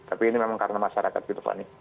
tapi ini memang karena masyarakat gitu fanny